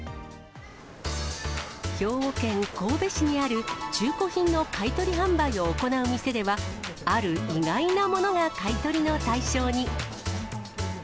兵庫県神戸市にある中古品の買い取り販売を行う店では、ある意外なものが買い取りの対象に。